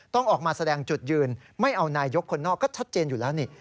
ต้องออกมาแสดงจุดยืนไม่เอานายกคนนอกก็ชัดเจนอยู่แล้วนี่